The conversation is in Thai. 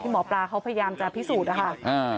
หมอปลาเขาพยายามจะพิสูจน์นะคะ